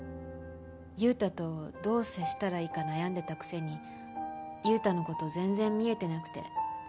優太とどう接したらいいか悩んでたくせに優太の事全然見えてなくて。